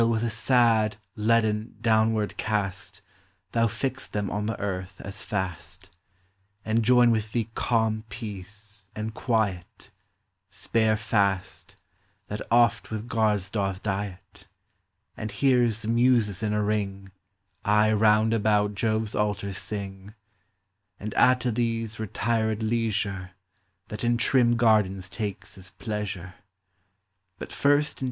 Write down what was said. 253 With a sad, leaden, downward cast Thou fix them on the earth as fast ; And join with thee calm Peace, and Quiet, — Spare Fast, that oft with gods doth diet, And hears the Muses in a ring Aye round about Jove's altar sing ; And add to these retired Leisure, That in trim gardens takes his pleasure : Bat first and.